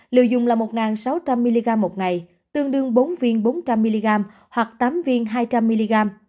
liều dùng là một sáu trăm linh mg một ngày tương đương bốn viên bốn trăm linh mg hoặc tám viên hai trăm linh mg